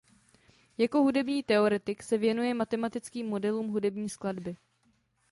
Jako hudební teoretik se věnuje matematickým modelům hudební skladby.